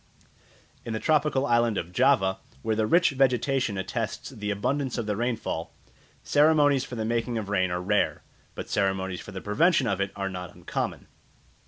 In the tropical island of Java, where the rich vegetation attests the abundance of the rainfall, ceremonies for the making of rain are rare, but ceremonies for the prevention of it are not uncommon.